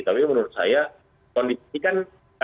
tapi menurut saya kondisi kan